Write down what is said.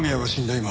今